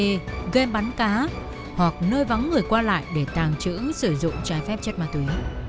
cơ sở kinh doanh karaoke game bánh cá hoặc nơi vắng người qua lại để tàng trữ sử dụng trái phép chất ma túy